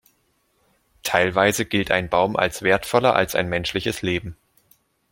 Teilweise gilt ein Baum als wertvoller als ein menschliches Leben.